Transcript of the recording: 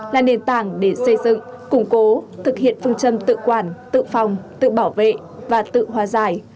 là nền tảng để xây dựng củng cố thực hiện phương châm tự quản tự phòng tự bảo vệ và tự hòa giải